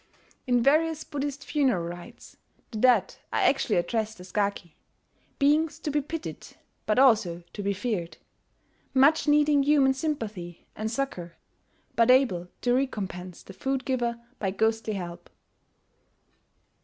In various Buddhist funeral rites, the dead are actually addressed as Gaki, beings to be pitied but also to be feared, much needing human sympathy and succour, but able to recompense the food giver by ghostly help.